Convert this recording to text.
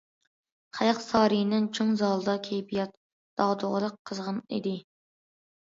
خەلق سارىيىنىڭ چوڭ زالىدا كەيپىيات داغدۇغىلىق، قىزغىن ئىدى.